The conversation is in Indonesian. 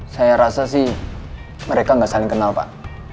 saya rasa sih mereka nggak saling kenal pak